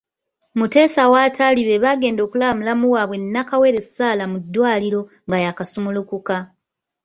Muteesa w’ataali bebaagenda okulaba mulamu waabwe Nnakawere Sarah mu Ddwaliro, nga yakasumulukuka.